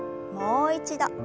もう一度。